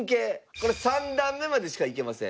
これ三段目までしか行けません。